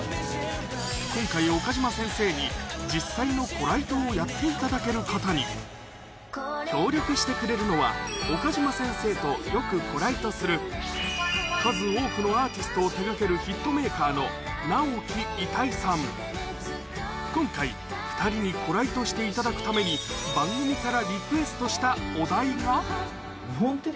今回岡嶋先生に実際のコライトをやっていただけることに協力してくれるのは岡嶋先生とよくコライトする数多くのアーティストを手掛けるヒットメーカーの今回２人にコライトしていただくためになるほど。